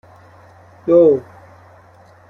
دو